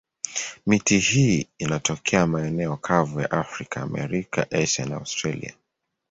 Miti hii inatokea maeneo kavu ya Afrika, Amerika, Asia na Australia.